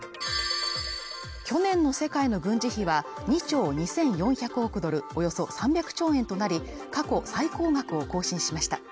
去年の世界の軍事費は２兆２４００億ドル、およそ３００兆円となり過去最高額を更新しました。